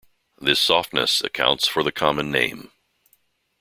This softness accounts for the common name.